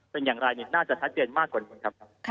เป็นอย่างไรน่าจะชัดเจนมากกว่านี้ครับ